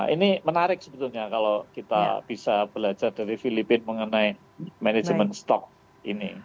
ini menarik sebetulnya kalau kita bisa belajar dari filipina mengenai manajemen stok ini